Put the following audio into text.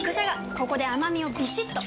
ここで甘みをビシッと！